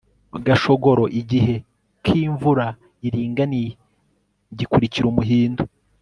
gashogoro igihe k'imvura iringaniye gikurikira umuhindo